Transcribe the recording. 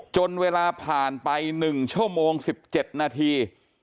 จนเวลาผ่านไป๑ชั่วโมง๑๗นาที